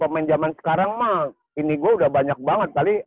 kalau main jaman sekarang mah ini gue udah banyak banget kali